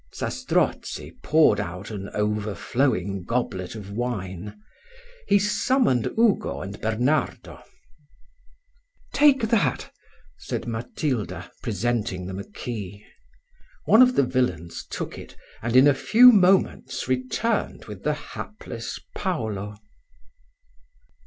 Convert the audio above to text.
Zastrozzi poured out an overflowing goblet of wine. He summoned Ugo and Bernardo "Take that," said Matilda, presenting them a key One of the villains took it, and in a few moments returned with the hapless Paulo.